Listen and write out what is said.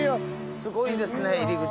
すごいですね入り口。